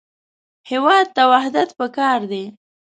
هېواد ته وحدت پکار دی